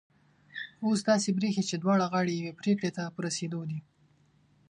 اوس داسي برېښي چي دواړه غاړې یوې پرېکړي ته په رسېدو دي